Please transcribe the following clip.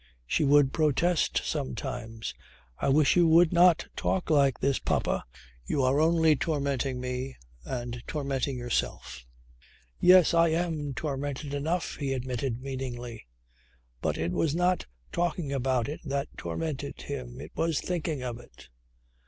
She would protest sometimes. "I wish you would not talk like this, papa. You are only tormenting me, and tormenting yourself." "Yes, I am tormented enough," he admitted meaningly. But it was not talking about it that tormented him. It was thinking of it.